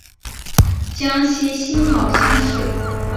江西辛卯乡试。